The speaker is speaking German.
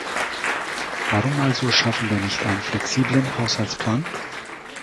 Warum also schaffen wir nicht einen flexiblen Haushaltsplan?